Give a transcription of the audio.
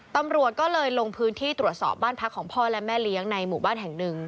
ตำรวจก็เลยลงพื้นที่ตรวจสอบบ้านพักของพ่อและแม่เลี้ยงในหมู่บ้านแห่งหนึ่ง